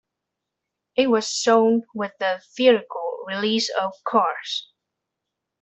It was shown with the theatrical release of "Cars".